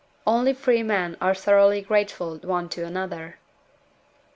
LXXI. Only free men are thoroughly grateful one to another.